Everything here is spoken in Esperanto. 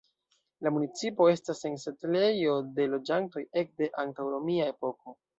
La municipo estas en setlejo de loĝantoj ekde antaŭromia epoko.